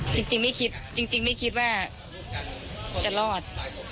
จริงไม่คิดจริงไม่คิดว่าจะรอด